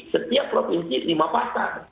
setiap provinsi lima pasar